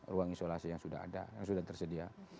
ruang isolasi yang sudah ada yang sudah tersedia